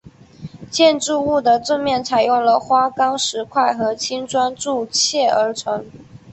建筑物的正面采用了花岗石块和青砖筑砌而成。